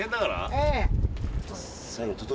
ええ。